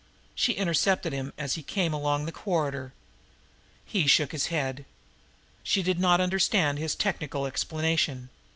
She intercepted him as he came along the corridor. He shook his head. She did not understand his technical explanation.